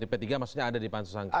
p tiga maksudnya ada di pansus angket